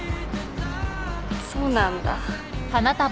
そうなんだ。